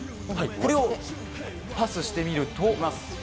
これをパスしてみると。